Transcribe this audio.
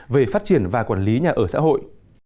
về phát triển và quản lý nhà ở xã hội